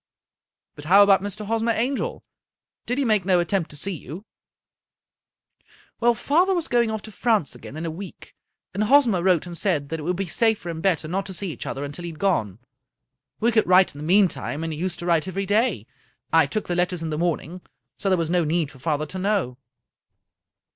" But how about Mr. Hosmer Angel ? Did he make no attempt to see you ?"" Well, father was going off to France again in a week, and Hosmer wrote and said that it would be safer and better not to see each other until he had gone. We could write in the meantime, and he used to write every day. I took the letters in the morning, so there was no need for father to know."